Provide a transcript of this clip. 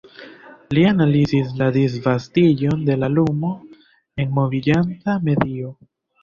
Li analizis la disvastiĝon de la lumo en moviĝanta medio.